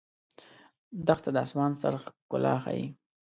دښته د آسمان ستر ښکلا ښيي.